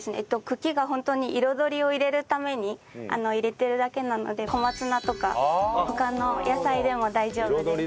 茎がホントに彩りを入れるために入れてるだけなので小松菜とか他の野菜でも大丈夫です。